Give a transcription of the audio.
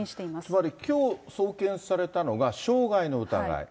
つまり、きょう送検されたのが、傷害の疑い。